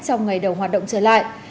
trong ngày đầu hoạt động trở lại